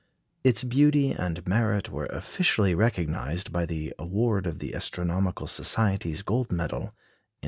Its beauty and merit were officially recognised by the award of the Astronomical Society's Gold Medal in 1884.